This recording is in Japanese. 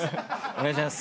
お願いします。